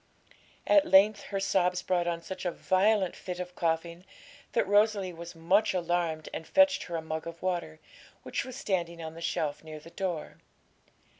At length her sobs brought on such a violent fit of coughing that Rosalie was much alarmed, and fetched her a mug of water, which was standing on the shelf near the door.